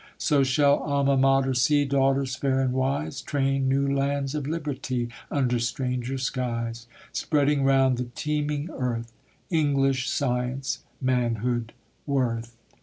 So shall Alma Mater see Daughters fair and wise Train new lands of liberty Under stranger skies; Spreading round the teeming earth English science, manhood, worth.